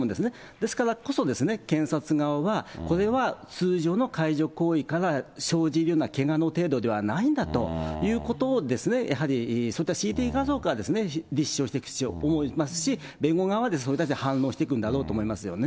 ですからこそ、検察側は、これは通常の介助行為から生じるようなけがの程度ではないんだということをやはりそういったＣＴ画像から立証していく必要、思いますし、弁護側はそれに反論していくんだと思いますよね。